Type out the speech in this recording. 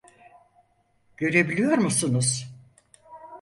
Görebiliyor musunuz?